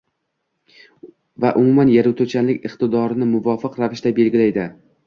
va umuman yaratuvchanlik iqtidorini muvofiq ravishda belgilaydi